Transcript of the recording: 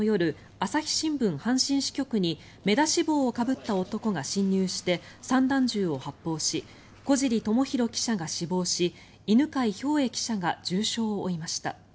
朝日新聞阪神支局に目出し帽をかぶった男が侵入して散弾銃を発砲し小尻知博記者が死亡し犬飼兵衛記者が重傷を負いました。